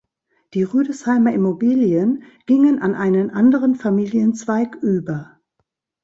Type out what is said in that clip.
Die Rüdesheimer Immobilien gingen an einen anderen Familienzweig über.